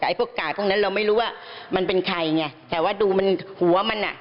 แต่ไอ้พวกกาดพวกนั้นเราไม่รู้ว่ามันเป็นใครไงแต่ว่าดูมันหัวมันอ่ะ